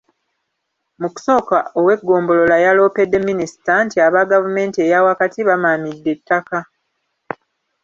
Mu kusooka ow’eggombolola yaloopedde Minisita nti aba gavumenti eya wakati bamaamidde ettaka.